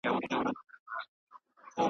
مړ چي دي رقیب وینم، خوار چي محتسب وینم .